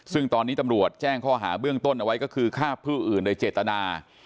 ซึ่งตอนนี้ตำรวจแจ้งข้อหาเบื้องต้นเอาไว้ก็คือฆ่าผู้อื่นโดยเจตนา